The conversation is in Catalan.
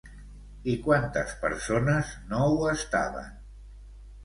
I quantes persones no ho estaven?